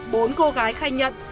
bốn cô gái khai nhận